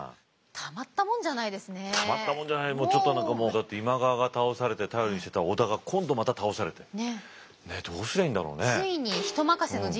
たまったもんじゃないちょっと何かもうだって今川が倒されて頼りにしてた織田が今度また倒されてねっどうすりゃいいんだろうね。